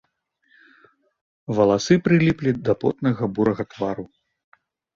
Валасы прыліплі да потнага бурага твару.